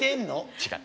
違う。